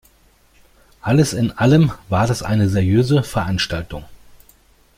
Alles in allem war es eine seriöse Veranstaltung.